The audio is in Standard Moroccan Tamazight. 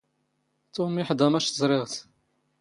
ⵜⵓⵎ ⵉⵃⴹⴰ ⵎⴰⵛⵛ ⵥⵕⵉⵖ ⵜ.